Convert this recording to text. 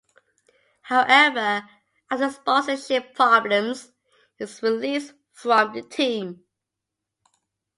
However, after sponsorship problems, he was released from the team.